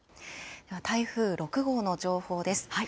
台風６号の情報です。